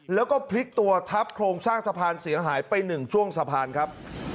แล้วก็พลิกตัวทับโครงสร้างสะพานเสียหายไป๑ช่วงสะพานครับ